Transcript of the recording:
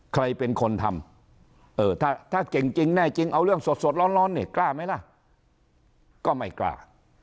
ใครเป็นคนทำถ้าเก่งจริงแน่จริงเอาเรื่องสดร้อนเนี่ยกล้าไหมล่ะก็ไม่กล้า